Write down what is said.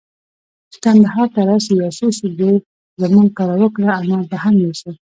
چي کندهار ته راسې، يو څو شپې زموږ کره وکړه، انار به هم يوسې.